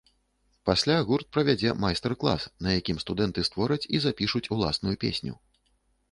Пасля гурт правядзе майстар-клас, на якім студэнты створаць і запішуць уласную песню.